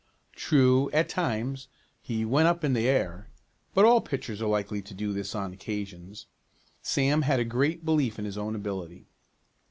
True, at times, he "went up in the air," but all pitchers are likely to do this on occasions. Sam had great belief in his own ability.